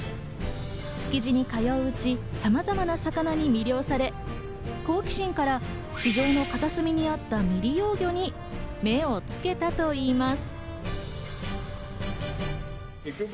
築地に通ううち、さまざまな魚に魅了され、好奇心から市場の片隅にあった未利用魚に目をつけたといいます。